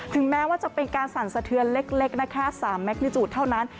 แม้ว่าจะเป็นการสั่นสะเทือนเล็กนะคะ๓แมกนิจูดเท่านั้น